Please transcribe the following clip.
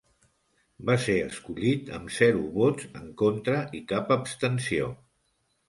Va ser escollit amb zero vots en contra i cap abstenció.